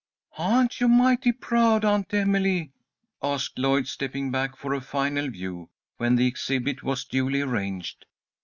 "Aren't you mighty proud, Aunt Emily?" asked Lloyd, stepping back for a final view, when the exhibit was duly arranged.